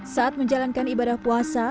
saat menjalankan ibadah puasa